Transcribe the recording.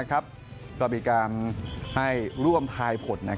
ก็มีการให้ร่วมทายผล